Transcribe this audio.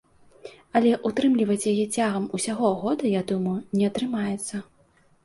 Але ўтрымліваць яе цягам усяго года, я думаю, не атрымаецца.